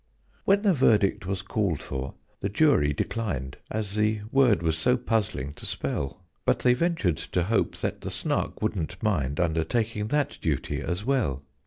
When the verdict was called for, the Jury declined, As the word was so puzzling to spell; But they ventured to hope that the Snark wouldn't mind Undertaking that duty as well.